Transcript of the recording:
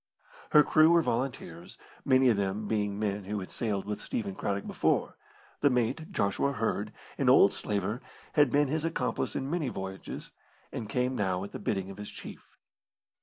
Her crew were volunteers, many of them being men who had sailed with Stephen Craddock before the mate, Joshua Hird, an old slaver, had been his accomplice in many voyages, and came now at the bidding of his chief.